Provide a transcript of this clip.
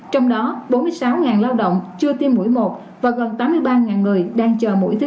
trong đó bốn mươi sáu lao động chưa tiêm mũi một và gần tám mươi ba người đang chờ mũi thứ